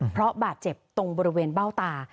เพราะบาดเจ็บตรงบริเวณเบ้าตา